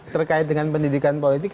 terkait dengan pendidikan politik